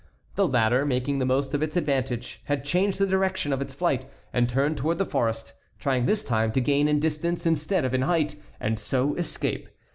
The latter, making the most of its advantage, had changed the direction of its flight and turned toward the forest, trying this time to gain in distance instead of in height, and so escape.